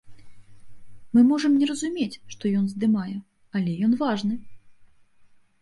Мы можам не разумець, што ён здымае, але ён важны.